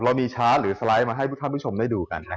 เรามีชาร์จหรือสไลด์มาให้พวกท่านผู้ชมได้ดูกัน